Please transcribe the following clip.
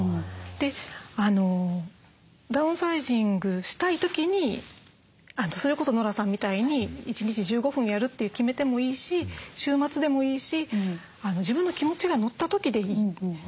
でダウンサイジングしたい時にそれこそノラさんみたいに一日１５分やるって決めてもいいし週末でもいいし自分の気持ちが乗った時でいい。